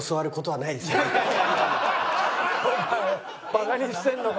バカにしてんのか？